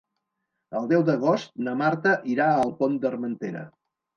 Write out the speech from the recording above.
El deu d'agost na Marta irà al Pont d'Armentera.